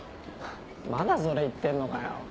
まだそれ言ってんのかよ。